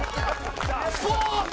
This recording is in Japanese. スポーツ！